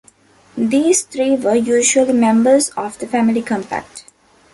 These three were usually members of the Family Compact.